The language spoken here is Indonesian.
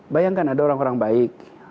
bayangkan ada orang orang baik